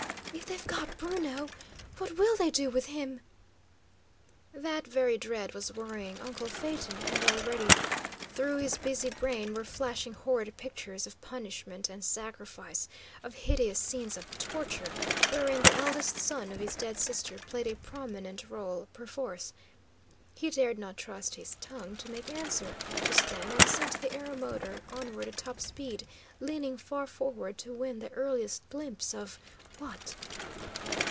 "If they've got Bruno, what will they do with him?" That very dread was worrying uncle Phaeton, and already through his busy brain were flashing horrid pictures of punishment and sacrifice, of hideous scenes of torture, wherein the eldest son of his dead sister played a prominent role, perforce. He dared not trust his tongue to make answer, just then, and sent the aeromotor onward at top speed, leaning far forward to win the earliest glimpse of what?